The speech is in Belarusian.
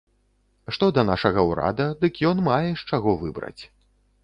Што да нашага ўрада, дык ён мае з чаго выбраць.